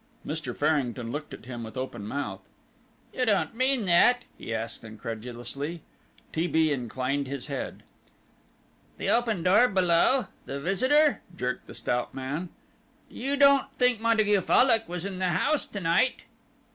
Mr. Farrington looked at him with open mouth. "You don't mean that?" he asked incredulously. T. B. inclined his head. "The open door below the visitor?" jerked the stout man, "you don't think Montague Fallock was in the house to night?"